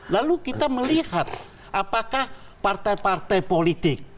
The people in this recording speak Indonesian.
lalu kita melihat apakah partai partai politik